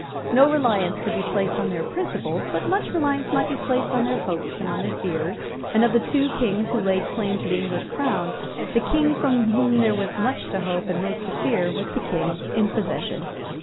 No reliance could be placed on their principles but much reliance might be placed on their hopes and on their fears; and of the two Kings who laid claim to the English crown, the King from whom there was most to hope and most to fear was the King in possession.